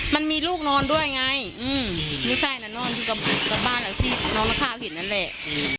มันมีลูกนอนด้วยไงที่นอนที่นอนท่าข้าวมา